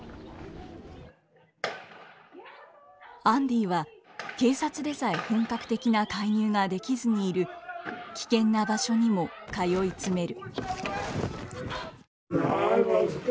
アンディは警察でさえ本格的な介入ができずにいる危険な場所にも通い詰める。